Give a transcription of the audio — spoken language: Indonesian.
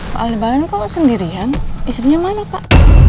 pak aldebalen kok sendirian istrinya mana pak